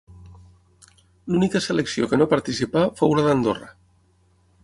L'única selecció que no participà fou la d'Andorra.